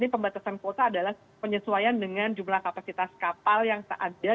mungkin pembatasan kuota adalah penyesuaian dengan jumlah kapasitas kapal yang tak ada